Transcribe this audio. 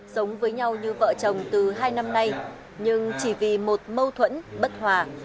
sống với nhau như vợ chồng từ hai năm nay nhưng chỉ vì một mâu thuẫn bất hòa